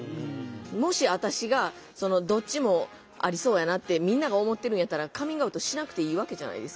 もし私がどっちもありそうやなってみんなが思ってるんやったらカミングアウトしなくていいわけじゃないですか。